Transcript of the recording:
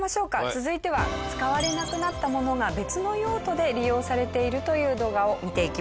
続いては使われなくなったものが別の用途で利用されているという動画を見ていきましょう。